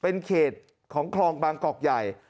เป็นเขตของคลองบางกอกใหญ่